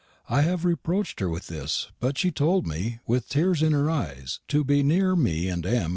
I hav reproched her with this, but she tolde me, with teres in her eys, to be neare mee and M.